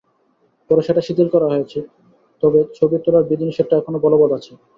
পরে সেটা শিথিল করা হয়েছে, তবে ছবি তোলার বিধিনিষেধটা এখনো বলবৎ আছে।